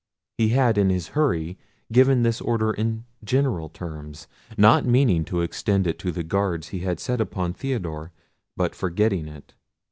He had in his hurry given this order in general terms, not meaning to extend it to the guard he had set upon Theodore, but forgetting it.